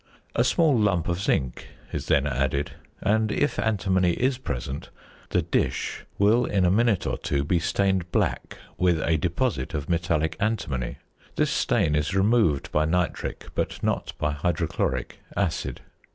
A small lump of zinc is then added, and, if antimony is present, the dish will in a minute or so be stained black with a deposit of metallic antimony. This stain is removed by nitric, but not by hydrochloric, acid.